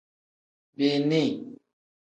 Bini.